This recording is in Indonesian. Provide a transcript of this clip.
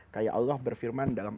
kayak allah berfirman dalam